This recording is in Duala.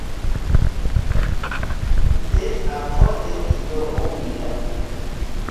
Ndé a kɔ́ ndé iyɔ́ ó ŋgeá.